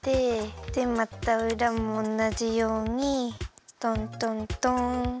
でまたうらもおんなじようにトントントン！